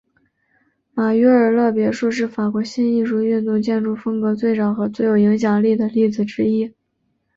马约尔勒别墅是法国新艺术运动建筑风格最早和最有影响力的例子之一。